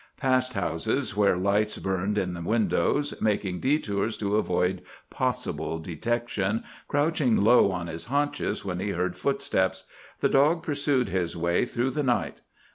Past houses where lights burned in the windows, making detours to avoid possible detection, crouching low on his haunches when he heard footsteps,—the dog pursued his way through the night.